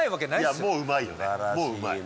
もううまいよね